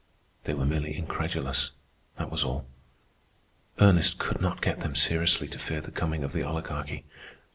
They were merely incredulous, that was all. Ernest could not get them seriously to fear the coming of the Oligarchy.